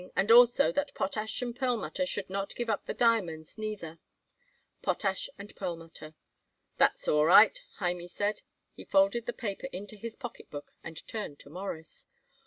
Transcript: And also, that Potash & Perlmutter should not give up the diamonds, neither. POTASH & PERLMUTTER." "That's all right," Hymie said. He folded the paper into his pocketbook and turned to Morris.